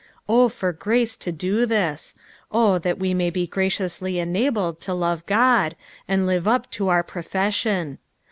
O for grace to do this ! O that we may be graciously enabled to love God, and live up to our profession